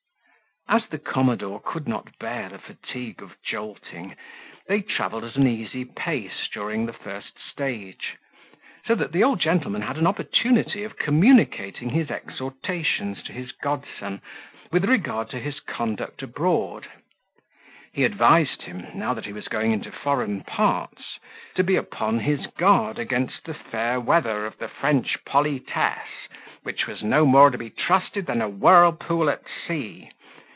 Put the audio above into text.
As the commodore could not bear the fatigue of jolting, they travelled at an easy pace during the first stage; so that the old gentleman had an opportunity of communicating his exhortations to his godson, with regard to his conduct abroad: he advised him, now that he was going into foreign parts, to be upon his guard against the fair weather of the French politesse, which was no more to be trusted than a whirlpool at sea.